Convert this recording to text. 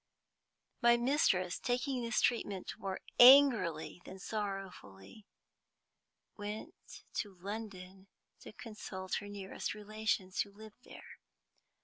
My mistress, taking this treatment more angrily than sorrowfully, went to London to consult her nearest relations, who lived there.